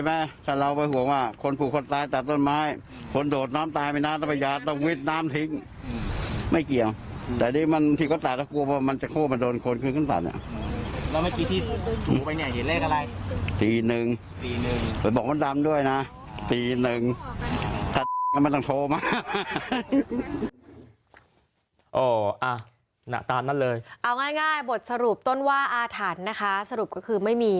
ตามนั้นเลยเอาง่ายบทสรุปต้นว่าอาถรรพ์นะคะสรุปก็คือไม่มี